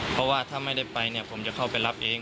เพราะว่าถ้าไม่ได้ไปเนี่ยผมจะเข้าไปรับเอง